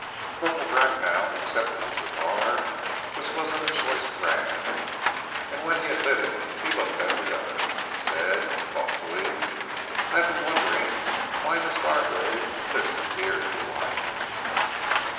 Corporal Bracknell accepted the cigar, which was of choice brand, and when he had lit it he looked at the other and said thoughtfully. "I have been wondering why Miss Gargrave lives up here in the wilds?"